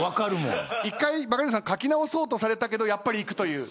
１回書き直そうとされたけどやっぱりいくという。